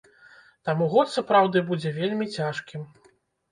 Таму год сапраўды будзе вельмі цяжкім.